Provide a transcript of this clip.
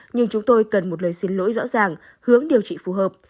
nhưng chúng tôi cần một lời xin lỗi rõ ràng hướng điều trị phù hợp